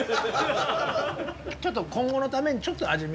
ちょっと今後のためにちょっと味見。